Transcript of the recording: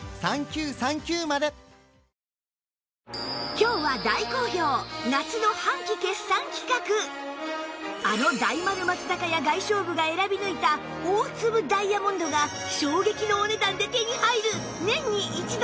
今日はあの大丸松坂屋外商部が選び抜いた大粒ダイヤモンドが衝撃のお値段で手に入る年に一度！